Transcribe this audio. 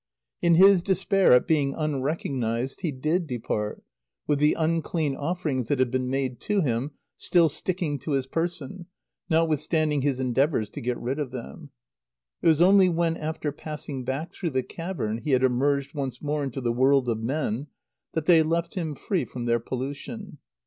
In his despair at being unrecognized he did depart, with the unclean offerings that had been made to him still sticking to his person, notwithstanding his endeavours to get rid of them. It was only when, after passing back through the cavern, he had emerged once more into the world of men, that they left him free from their pollution.